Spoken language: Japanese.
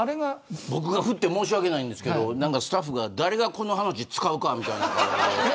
僕が振って申し訳ないですがスタッフが誰がこの話使うかみたいな。